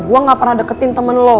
gue gak pernah deketin temen lo